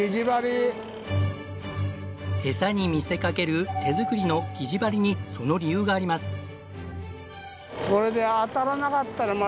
エサに見せかける手作りの擬餌針にその理由があります。